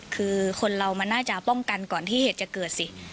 คือคนเรามันน่าจะป้องกันก่อนที่เหตุจะเกิดสิ